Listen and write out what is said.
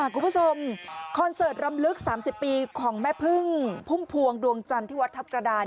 คอนเสิร์ตรำลึก๓๐ปีของแม่พึ่งพุ่มพวงดวงจันทร์ที่วัดทัพกระดาน